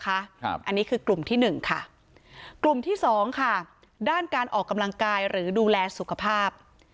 อันนี้คือกลุ่มที่หนึ่งค่ะกลุ่มที่สองค่ะด้านการออกกำลังกายหรือดูแลสุขภาพ